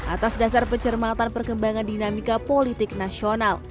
atas dasar pencermatan perkembangan dinamika politik nasional